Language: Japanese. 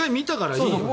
いいよ